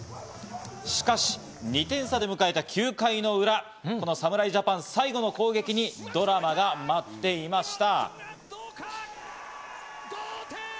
しかし２点差で迎えた９回の裏、侍ジャパン、最後の攻撃にドラマが待っていました。